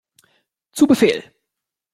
Zu Befehl!